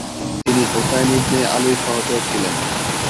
তিনি হোসাইন ইবনে আলীর সহচর ছিলেন।